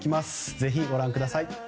ぜひご覧ください。